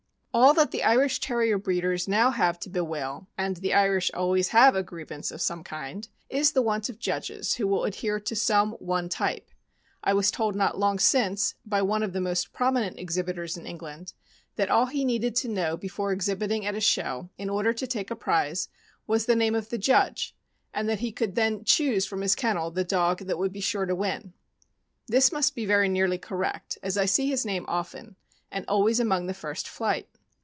All that the Irish Terrier breeders now have to bewail (and the Irish always have a grievance of some kind), is the want of judges who will adhere to some one type. I was told not long since, by one of the most prominent exhibitors in England, that all he needed to know before exhibiting at a show, in order to take a prize, was the name of the judge, and that he could then choose from his ken nel the dog that would be sure to win. This must be very nearly correct, as I see his name often, and always among the first flight.